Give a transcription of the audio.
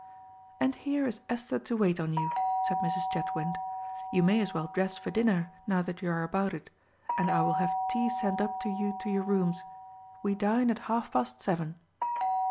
"And here is Esther to wait on you," said Mrs. Chetwynd. "You may as well dress for dinner now that you are about it, and I will have tea sent up to you to your rooms. We dine at half past seven."